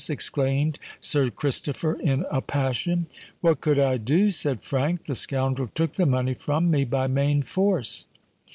exclaimed Sir Christopher, in a passion. "What could I do?" said Frank. "The scoundrel took the money from me by main force."